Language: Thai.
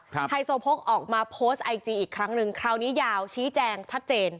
ไฮโซโพกออกมาโพสต์ไอจีอีกครั้งหนึ่งคราวนี้ยาวชี้แจงชัดเจน